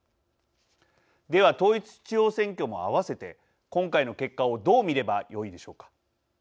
では統一地方選挙も合わせて今回の結果をどう見ればよいでしょうか。